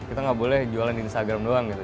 kita nggak boleh jualan di instagram doang gitu